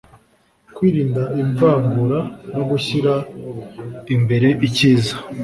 kwirinda ivangura no gushyira imbere icyiza